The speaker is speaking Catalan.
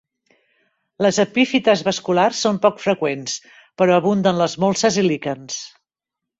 Les Epífites vasculars són poc freqüents, però abunden les molses i líquens.